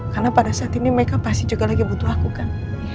karena pada saat ini mereka pasti juga lagi butuh aku kan